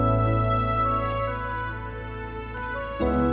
aku mau pergi